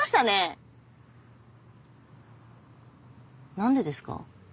何でですか？